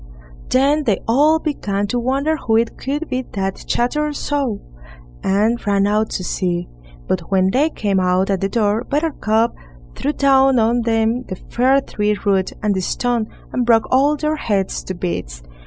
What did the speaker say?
Then they all began to wonder who it could be that chattered so, and ran out to see. But when they came out at the door, Buttercup threw down on them the fir tree root and the stone, and broke all their heads to bits.